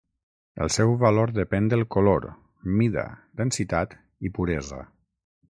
El seu valor depèn del color, mida, densitat i puresa.